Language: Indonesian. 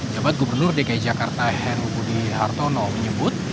jabat gubernur dki jakarta heru budi hartono menyebut